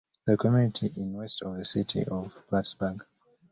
The community is west of the city of Plattsburgh.